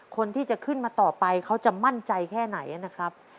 คนที่จะขึ้นมาต่อไปเขาจะมั่นใจแค่ไหนนะครับ